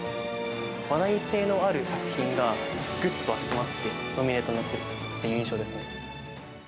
話題性のある作品がぐっと集まってノミネートになっている印象です。